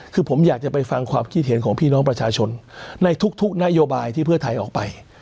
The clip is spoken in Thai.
คือผมอยากจะไปฟังความคิดเห็นของพี่น้องประชาชนในทุกนโยบายที่เพื่อไทยออกไป